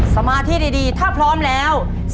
สมาธิดีถ้าพร้อมแล้ว